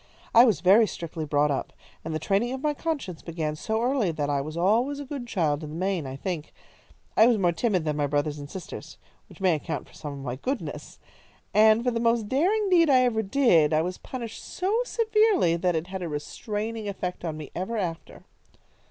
"I was very strictly brought up, and the training of my conscience began so early that I was always a good child in the main, I think. I was more timid than my brothers and sisters, which may account for some of my goodness, and for the most daring deed I ever did, I was punished so severely that it had a restraining effect on me ever after."